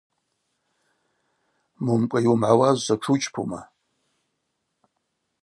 Момкӏва йуымгӏауазшва тшучпума?